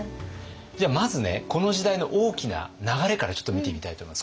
じゃあまずねこの時代の大きな流れからちょっと見てみたいと思います。